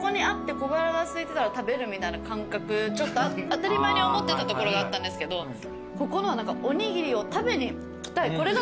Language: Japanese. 当たり前に思ってたところがあったんですけどここのはおにぎりを食べに来たい。